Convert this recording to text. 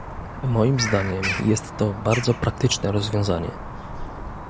Moim zdaniem jest to bardzo praktyczne rozwiązanie